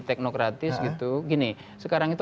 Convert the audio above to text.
teknokratis gitu gini sekarang itu